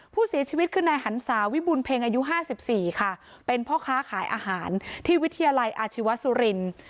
ผู้เสียชีวิตคือนายหันศาวิบุญเพ็งอายุ๕๔ค่ะเป็นพ่อค้าขายอาหารที่วิทยาลัยอาชีวสุรินทร์